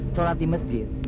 sholat di masjid